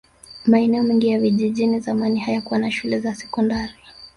maeneo mengi ya vijijini zamani hayakuwa na shule za sekondari